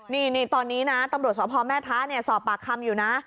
นี่ตอนนี้นะตำรวจสพแม่ท้าสอบปากคำอยู่นะ